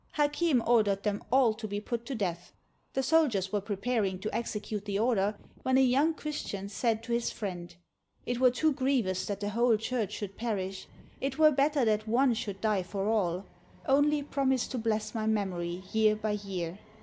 Hakem ordered them all to be put to death. The soldiers were preparing to execute the order when a young Christian said to his friends, " It were too grievous that the whole Church should perish; it were better that one should die for all; only promise to 605 PALESTINE bless my memory year by year."